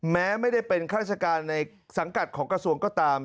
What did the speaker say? แม้ไม่ได้เป็นข้าราชการในสังกัดของกระทรวงก็ตาม